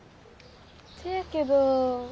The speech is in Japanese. せやけど。